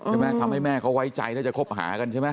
แม่ทำให้แม่เขาไว้ใจน่าจะคบหากันใช่ไหม